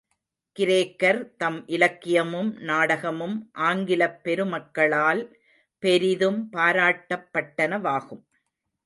கிரேக்கர் தம் இலக்கியமும் நாடகமும் ஆங்கிலப் பெருமக்களால் பெரிதும் பாராட்டப்பட்டனவாகும்.